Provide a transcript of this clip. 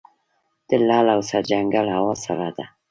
د لعل او سرجنګل هوا سړه ده